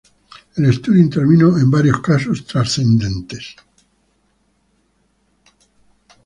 El estudio intervino en varios casos trascendentes.